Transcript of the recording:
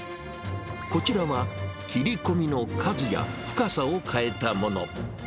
こちらは切り込みの数や深さを変えたもの。